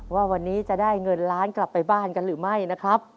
ว่าวันนี้จะได้เงินล้านกลับไปบ้านกันหรือไม่นะครับ